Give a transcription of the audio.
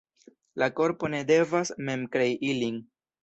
La korpo ne devas mem krei ilin.